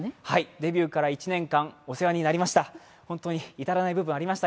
デビューから１年間、お世話になりました。